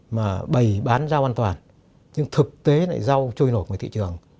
mà bày bán rau an toàn nhưng thực tế lại rau trôi nổi ngoài thị trường